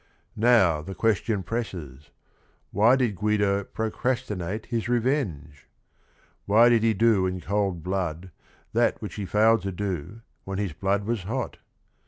Now the question presses : why did GniHn prnr rastinate his r e ven ge ? Why did he do in cold blood that which he failed to do when his blood was hot?